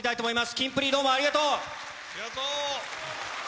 キンプリ、どうもありがとう。